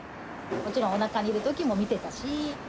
もちろんおなかにいるときも見てたし。